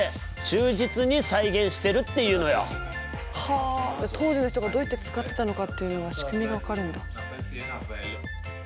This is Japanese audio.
あ当時の人がどうやって使ってたのかっていうのが仕組みが分かるんだ。